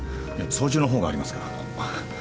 操縦のほうがありますから。